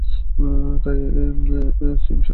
তাকে সুইমস্যুট পরতে বলুন!